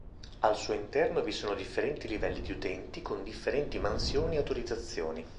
Al suo interno vi sono differenti livelli di utenti con differenti mansioni o autorizzazioni.